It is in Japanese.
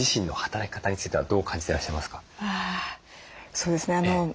そうですね。